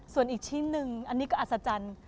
ส่วนอีกชิ้นหนึ่งอันนี้ก็อัศจรรย์